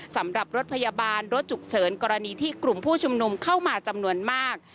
สำหรับรถพยาบาลรถฉุกเฉินกรณีที่กลุ่มผู้ชุมนุมเข้ามาจำนวนมาก